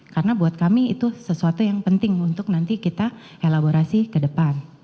karena buat kami itu sesuatu yang penting untuk nanti kita elaborasi ke depan